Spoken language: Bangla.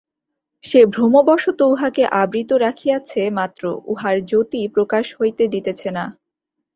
সে ভ্রমবশত উহাকে আবৃত রাখিয়াছে মাত্র, উহার জ্যোতি প্রকাশ হইতে দিতেছে না।